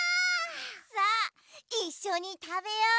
さあいっしょにたべよう！